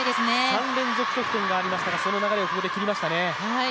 ３連続得点がありましたが、その流れをここで切りましたね。